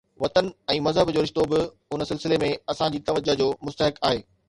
وطن ۽ مذهب جو رشتو به ان سلسلي ۾ اسان جي توجه جو مستحق آهي.